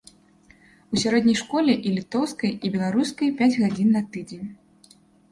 У сярэдняй школе і літоўскай, і беларускай пяць гадзін на тыдзень.